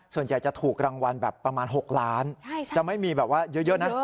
ส่วนใหญ่จะถูกรางวัลแบบประมาณ๖ล้านจะไม่มีแบบว่าเยอะนะ